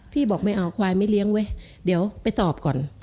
บอกไม่เอาควายไม่เลี้ยงเว้ยเดี๋ยวไปตอบก่อน